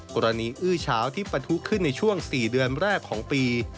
อื้อเช้าที่ปะทุขึ้นในช่วง๔เดือนแรกของปี